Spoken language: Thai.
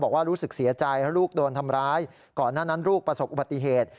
รู้สึกเสียใจเพราะลูกโดนทำร้ายก่อนหน้านั้นลูกประสบอุบัติเหตุ